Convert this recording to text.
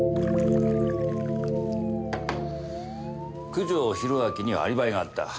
九条宏明にはアリバイがあった。